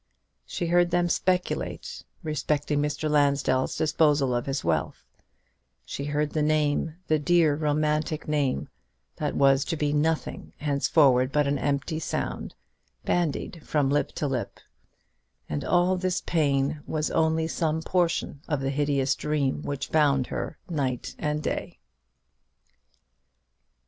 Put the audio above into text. She heard them speculate respecting Mr. Lansdell's disposal of his wealth; she heard the name, the dear romantic name, that was to be nothing henceforward but an empty sound, bandied from lip to lip; and all this pain was only some portion of the hideous dream which bound her night and day.